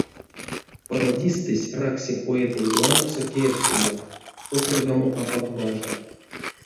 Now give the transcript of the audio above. Пародистэсь ракси поэтэнть лангсо кежтеме, покордамо апак бажа.